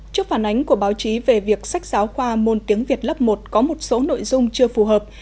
trước phản ánh của báo chí về việc sách giáo khoa môn tiếng việt lớp một có một số nội dung chưa phù hợp